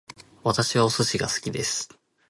私はお寿司が好きです